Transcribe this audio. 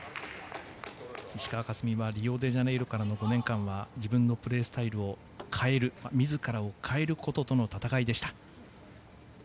石川佳純はリオデジャネイロからの５年間は自分のプレースタイルを変える自らを変えることとの戦いでした。